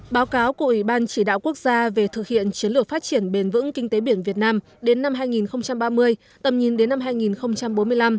báo cáo của ủy ban chỉ đạo quốc gia về thực hiện chiến lược phát triển bền vững kinh tế biển việt nam đến năm hai nghìn ba mươi tầm nhìn đến năm hai nghìn bốn mươi năm